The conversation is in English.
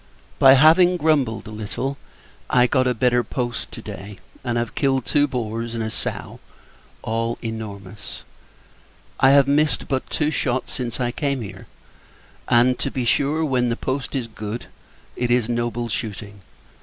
By having grumbled a little, I got a better post to day; and have killed two boars and a sow, all enormous. I have missed but two shot since I came here; and, to be sure, when the post is good, it is noble shooting!